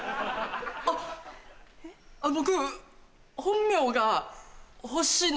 あっ僕。